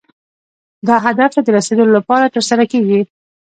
دا هدف ته د رسیدو لپاره ترسره کیږي.